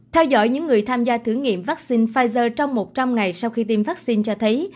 theo dõi những người tham gia thử nghiệm vaccine pfizer trong một trăm linh ngày sau khi tiêm vaccine cho thấy